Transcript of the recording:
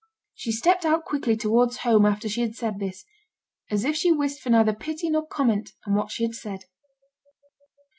She stepped out quickly towards home after she had said this, as if she wished for neither pity nor comment on what she had said.